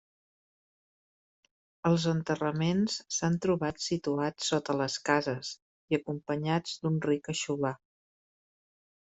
Els enterraments s'han trobat situats sota les cases i acompanyats d'un ric aixovar.